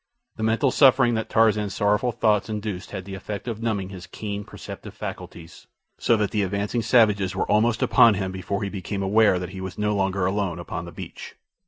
The mental suffering that Tarzan's sorrowful thoughts induced had the effect of numbing his keen, perceptive faculties, so that the advancing savages were almost upon him before he became aware that he was no longer alone upon the beach.